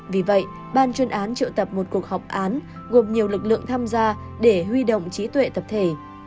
vì vậy ban chuyên án triệu tập một cuộc họp án gồm nhiều lực lượng tham gia để huy động trí tuệ tập thể